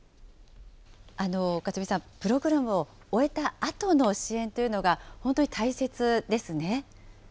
勝海さん、プログラムを終えたあとの支援というのが本当に大切ですね。